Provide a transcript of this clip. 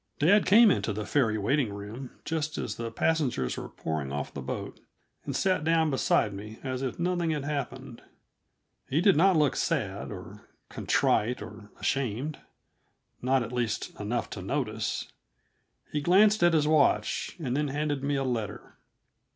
Dad came into the ferry waiting room just as the passengers were pouring off the boat, and sat down beside me as if nothing had happened. He did not look sad, or contrite, or ashamed not, at least, enough to notice. He glanced at his watch, and then handed me a letter.